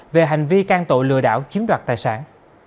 về hành vi can tội lừa đảo chiếm đoạt tài sản